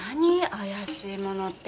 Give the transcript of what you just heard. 怪しいものって。